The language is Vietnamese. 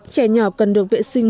trẻ nhỏ cần được vệ sinh